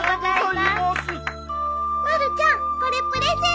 まるちゃんこれプレゼント。